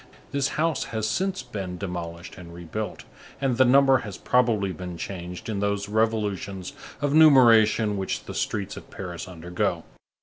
This house has since been demolished and rebuilt, and the number has probably been changed in those revolutions of numeration which the streets of Paris undergo.